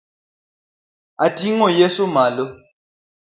Atingo Yeso malo.